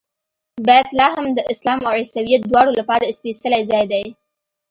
بیت لحم د اسلام او عیسویت دواړو لپاره سپېڅلی ځای دی.